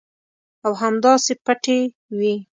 او همداسې پټې وي.